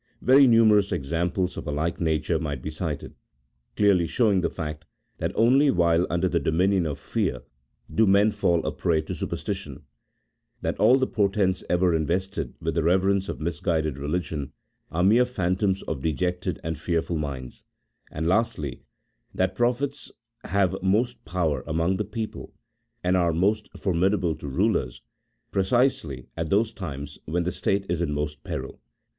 Very numerous examples of a like nature might be cited, clearly showing the fact, that only while under the dominion of fear do men fall a prey to superstition ; that all the portents ever invested with the reverence of misguided religion are mere phantoms of dejected and fearful minds ; and lastly, that prophets have most power among the people, and are most formidable to rulers, precisely at those times when the state is in most peril.